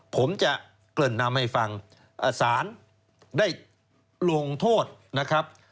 ผมจะเกริ่นนำให้ฟังสารได้ลงโทษนะครับ